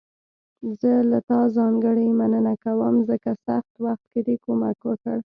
زه له تا ځانګړي مننه کوم، ځکه سخت وخت کې دې کومک وکړ.